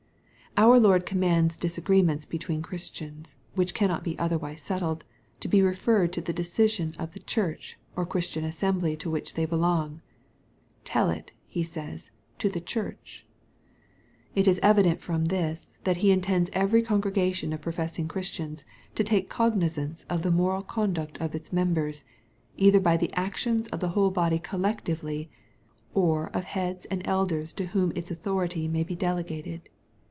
Out Lord commands disagreements between Christians, which cannot be otherwise settled, to be referred to the decision of the church or Christian assembly to which they belong. " Tell it," he says, " to the church." It is evident from this, that he intends every congregation of professing Christians to take cognizance of the moral conduct of its members, either by the action of the whole body collectively, or of heads and elders to whom its authority may be del(;gated.